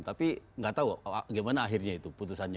tapi tidak tahu bagaimana akhirnya itu putusannya